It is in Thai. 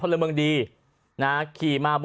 ว่านี้เลยครับ